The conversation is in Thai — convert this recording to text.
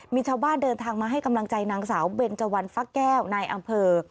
มีชาวบ้านเดินทางมาให้กำลังใจนางสาวเบนเจวันฟักแก้วนายอำเภอ